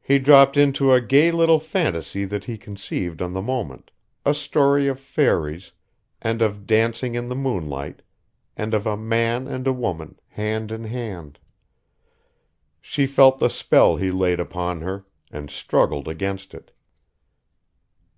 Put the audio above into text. He dropped into a gay little phantasy that he conceived on the moment, a story of fairies, and of dancing in the moonlight, and of a man and a woman, hand in hand.... She felt the spell he laid upon her, and struggled against it.